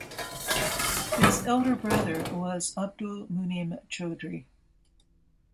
His elder brother was Abdul Munim Chaudhury.